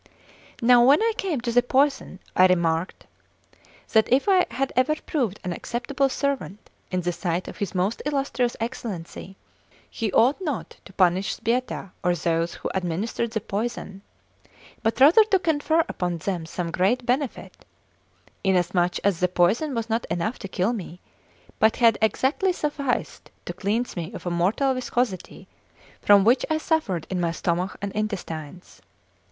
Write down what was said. Now when I came to the poison, I remarked that if I had ever proved an acceptable servant in the sight of his most illustrious Excellency, he ought not to punish Sbietta or those who administered the poison, but rather to confer upon them some great benefit, inasmuch as the poison was not enough to kill me, but had exactly sufficed to cleanse me of a mortal viscosity from which I suffered in my stomach and intestines.